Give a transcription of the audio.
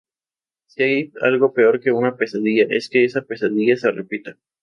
Si hay algo peor que una pesadilla es que esa pesadilla se repita.